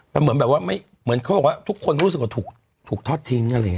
แต่เหมือนแบบว่าไม่เหมือนเขาบอกว่าทุกคนรู้สึกว่าถูกถอดทิ้งน่ะเลย